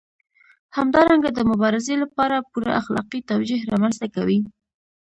همدارنګه د مبارزې لپاره پوره اخلاقي توجیه رامنځته کوي.